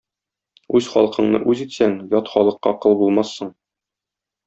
Үз халкыңны үз итсәң, ят халыкка кол булмассың.